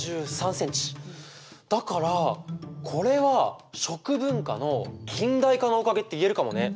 だからこれは食文化の近代化のおかげって言えるかもね！